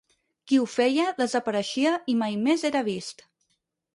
Qui ho feia, desapareixia i mai més era vist.